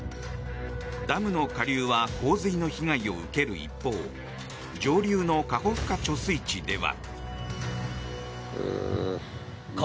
ダムの下流は洪水の被害を受ける一方上流のカホフカ貯水池では。